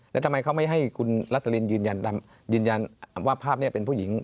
แล้วทำไมเขาไม่ให้คุณลัสลินยืนยันว่าภาพนี้เป็นผู้หญิง